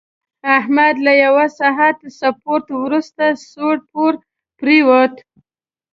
احمد له یوه ساعت سپورت ورسته سوړ پوړ پرېوت.